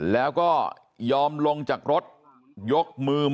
แล้วก็ยอมลงจากรถยกมือ